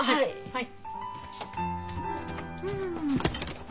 はい。